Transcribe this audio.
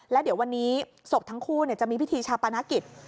แล้วเดี๋ยววันนี้ศพทั้งคู่จะมีพิธีชาปนกิจ